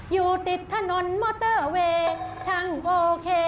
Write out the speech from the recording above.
อยู่ติดถนนมอเตอร์เวย์ช่างโอเค